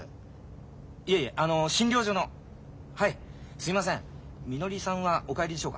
すいませんみのりさんはお帰りでしょうか？